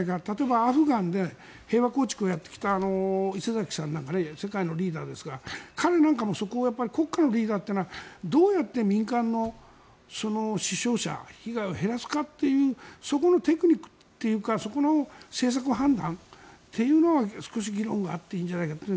例えば、アフガンで平和構築をやってきた伊勢崎さんなんか世界のリーダーですが彼なんかもそこを国家のリーダーというのはどうやって民間の死傷者被害を減らすかというそこのテクニックというかそこの政策判断というのが少し議論があっていいんじゃないか。